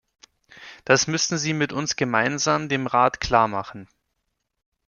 Das müssten Sie mit uns gemeinsam dem Rat klarmachen.